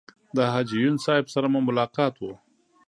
د حاجي یون صاحب سره مو ملاقات و.